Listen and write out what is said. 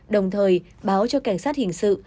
đồng thời báo cho cảnh sát hình sự